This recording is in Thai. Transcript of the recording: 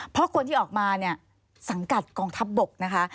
เพราะคนที่ออกมาเนี่ยสังกัดกองทัพบกนะคะ